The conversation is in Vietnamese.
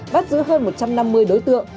bắt giữ hơn một trăm năm mươi đối tượng